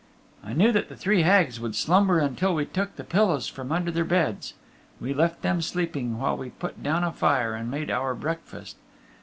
I knew that the three Hags would slumber until we took the pillows from under their heads. We left them sleeping while we put down a fire and made our break fast.